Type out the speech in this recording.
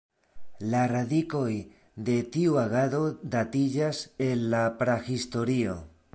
La radikoj de tiu agado datiĝas el la Prahistorio.